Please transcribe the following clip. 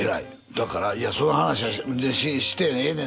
だからいやその噺はしてええねん。